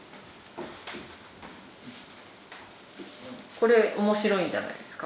これ面白いんじゃないですか？